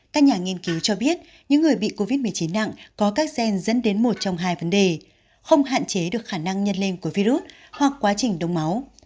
các nhà nghiên cứu cho biết những người bị covid một mươi chín nặng có các gen dẫn đến một trong hai vấn đề không hạn chế được khả năng nhân lên của virus hoặc quá trình đông máu